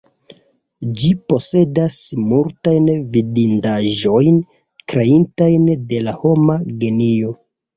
Ĝi posedas multajn vidindaĵojn, kreitajn de la homa genio.